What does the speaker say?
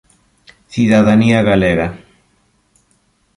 Cidadanía galega